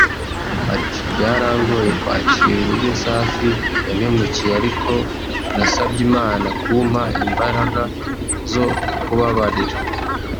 Ati “ Byarangoye kwakira uburyo Safi yampemukiye ariko nasabye Imana kumpa imbaraga zo kubababarira